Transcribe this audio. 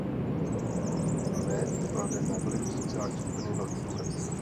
Mead klade na vliv sociální skupiny velký důraz.